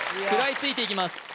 食らいついていきます